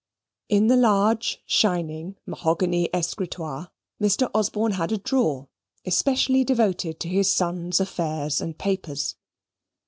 In the large shining mahogany escritoire Mr. Osborne had a drawer especially devoted to his son's affairs and papers.